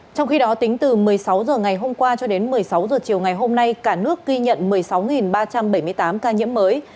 trong khi đó tính từ một mươi sáu h ngày hôm qua cho đến một mươi sáu h chiều ngày hôm nay cả nước ghi nhận một mươi sáu ba trăm bảy mươi tám ca nhiễm mới